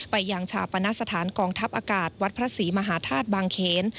ไปยังชาปณสถานกองทัพอากาศวัดพระศรีมหาธาตุบางเขน